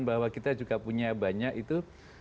bahwa kita juga punya banyak itu